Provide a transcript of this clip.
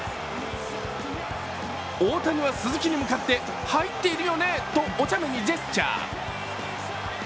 大谷は鈴木に向かって入ってるよね？とおちゃめにジェスチャー。